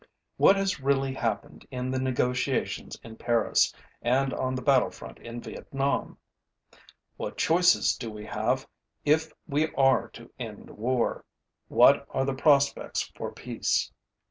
What has really happened in the negotiations in Paris and on the battlefront in Vietnam? What choices do we have if we are to end the war? What are the prospects for peace?